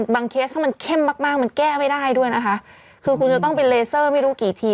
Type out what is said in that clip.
เคสถ้ามันเข้มมากมากมันแก้ไม่ได้ด้วยนะคะคือคุณจะต้องเป็นเลเซอร์ไม่รู้กี่ที